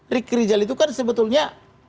ricky rijal itu kan sebetulnya